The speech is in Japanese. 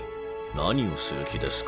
何をする気ですか？